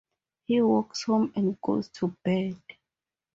He walks home and goes to bed.